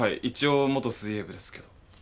一応元水泳部ですけど。